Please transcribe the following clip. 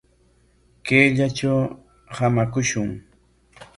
Kayllatraw hamakushun.